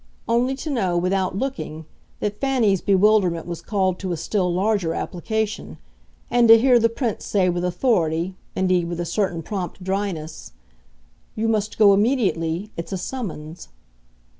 only to know, without looking, that Fanny's bewilderment was called to a still larger application, and to hear the Prince say with authority, indeed with a certain prompt dryness: "You must go immediately it's a summons."